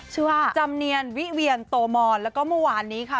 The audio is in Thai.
ชื่อว่าจำเนียนวิเวียนโตมอนแล้วก็เมื่อวานนี้ค่ะ